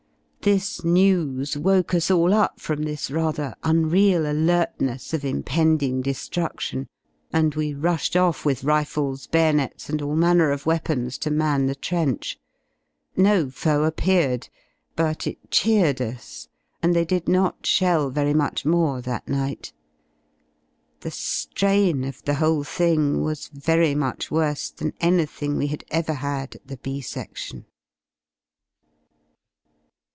This news woke us all up from this rather unreal alertness of impending de^rudlion and we rushed off with rifles, bayonets, and all manner of weapons to man the trench. No foe appeared, but it cheered us, and they did not shell very much more that night. The ^rain of the whole thing was very much worse than anything we had ever had at the B sedlion.